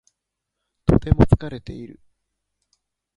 とても疲れている。